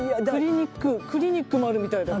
クリニックもあるみたいだけど。